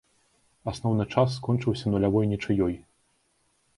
Асноўны час скончыўся нулявой нічыёй.